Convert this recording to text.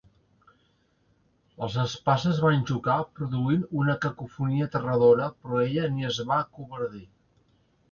Les espases van xocar produint una cacofonia aterradora, però ella ni es va acovardir.